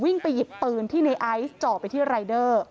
ไปหยิบปืนที่ในไอซ์จ่อไปที่รายเดอร์